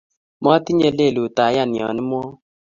Matinye lelut ayan yo imwoe